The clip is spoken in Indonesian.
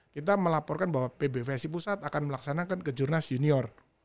kita melaporkan bahwa pbvsi pusat akan melaksanakan kejurnas junior